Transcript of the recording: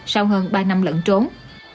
sau hơn ba năm lẫn trốn